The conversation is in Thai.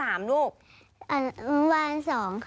อานุบัล๒๓โน่ม